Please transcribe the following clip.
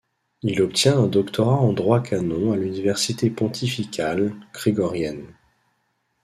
Il obtient un doctorat en droit canon à l'Université pontificale grégorienne.